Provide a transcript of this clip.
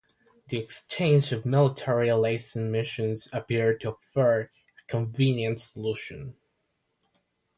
The exchange of military liaison missions appeared to offer a convenient solution.